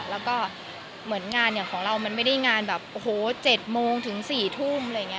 และเรามองนอกของมามันไม่ได้งานว่า๗โมงถึง๔ทุ่ม